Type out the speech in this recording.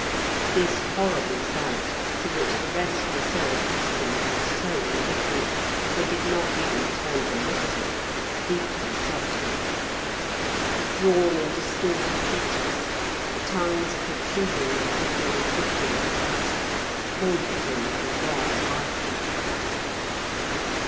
This horrible sight, to which the rest were so accustomed and so indifferent that they did not even turn to look at it, deeply shocked him; the drawn and distorted features, the tongues protruding and literally licking the dust, haunted him for long after.